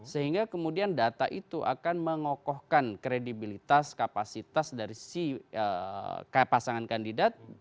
sehingga kemudian data itu akan mengokohkan kredibilitas kapasitas dari si pasangan kandidat